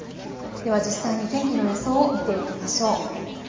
では実際に天気の予想を見ていきましょう。